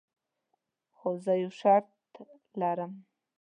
خو زه یو شرط لرم.